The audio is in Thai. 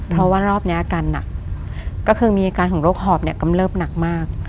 เพราะว่ารอบนี้อาการหนักก็คือมีอาการของโรคหอบเนี่ยกำเริบหนักมาก